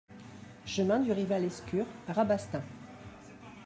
Chemin du Rival Escur, Rabastens